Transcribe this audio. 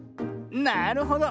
なるほど。